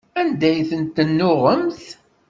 Anda ay ten-tennuɣemt?